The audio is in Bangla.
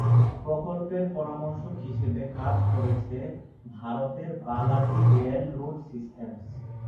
প্রকল্পের পরামর্শক হিসেবে কাজ করছে ভারতের 'বালাজি রেল রোড সিস্টেমস'।